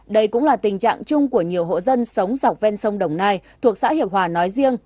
đây cũng là tình trạng chung của nhiều hộ dân sống dọc ven sông đồng nai thuộc xã hiệp hòa nói riêng